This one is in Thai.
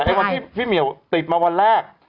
วันที่พี่เหมียวติดมาวันแรก